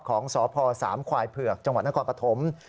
ของสพสามควายเผือกจังหวัดนครปฐม